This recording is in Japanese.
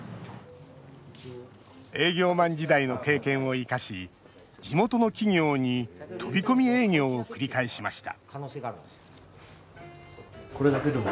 営業マン時代の経験を生かし地元の企業に飛び込み営業を繰り返しました